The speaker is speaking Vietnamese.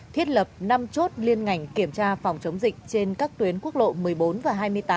thiết lập năm chốt liên ngành kiểm tra phòng chống dịch trên các tuyến quốc lộ một mươi bốn và hai mươi tám